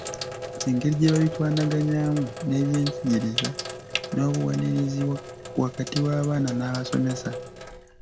Engeri gye babikwanaganyaamu n’ebyenjigiriza n’obuwanirizi wakati w’abaana n’abasomesa.